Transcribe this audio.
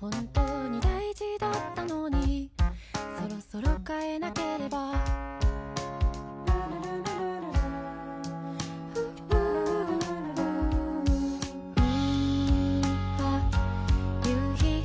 本当に大事だったのにそろそろ変えなければあ、夕陽。